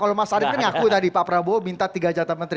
kalau mas arief kan ngaku tadi pak prabowo minta tiga jatah menteri